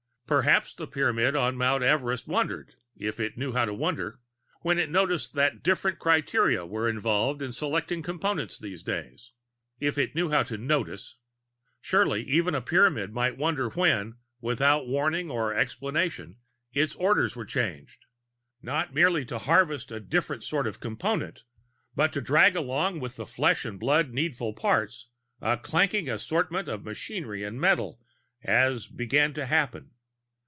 Perhaps the Pyramid on Mount Everest wondered, if it knew how to wonder, when it noticed that different criteria were involved in selecting components these days. If it knew how to "notice." Surely even a Pyramid might wonder when, without warning or explanation, its orders were changed not merely to harvest a different sort of Component, but to drag along with the flesh and blood needful parts a clanking assortment of machinery and metal, as began to happen.